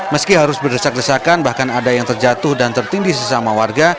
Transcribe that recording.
meski harus beresak resakan bahkan ada yang terjatuh dan tertindih sesama warga